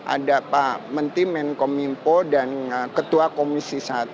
ada pak menteri menko mimpo dan ketua komisi satu